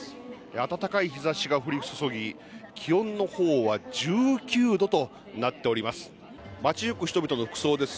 暖かい日ざしが降り注ぎ、気温のほうは１９度となっております。